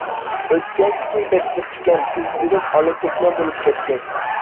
ئۆتكەنكىسى بەك جىق ئىكەن، كۆزلىرىم ئالا-چەكمەن بولۇپ كەتتى.